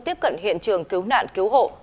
tiếp cận hiện trường cứu nạn cứu hộ